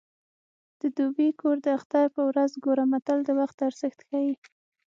د دوبي کور د اختر په ورځ ګوره متل د وخت ارزښت ښيي